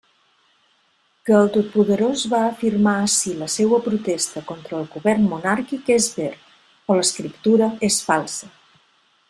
Que el Totpoderós va afirmar ací la seua protesta contra el govern monàrquic és ver, o l'escriptura és falsa.